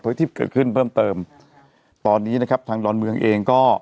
ที่เกิดขึ้นเพิ่มเติมตอนนี้นะครับทางดอนเมืองเองก็